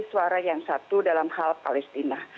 suara yang satu dalam hal palestina